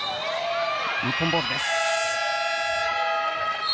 日本ボールです。